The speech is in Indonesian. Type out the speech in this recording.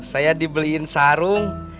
saya dibeliin sarung